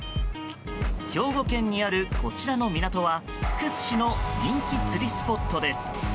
兵庫県にある、こちらの港は屈指の人気釣りスポットです。